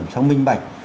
sống minh bạch